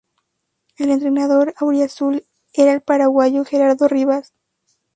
El entrenador auriazul era el paraguayo Gerardo Rivas.